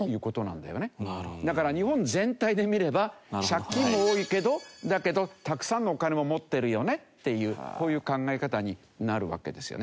だから日本全体で見れば借金も多いけどだけどたくさんのお金も持ってるよねっていうこういう考え方になるわけですよね。